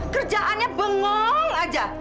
kerjaannya bengong aja